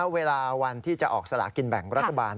เวลาวันที่จะออกสลากินแบ่งรัฐบาล